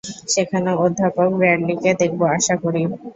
সেখানে অধ্যাপক ব্রাডলিকে দেখব, আশা করি।